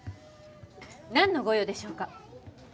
何のご用でしょうか？